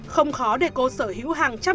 không khó để cô sở hữu hàng trăm